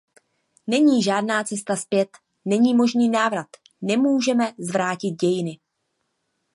Není žádná cesta zpět, není možný návrat, nemůžeme zvrátit dějiny.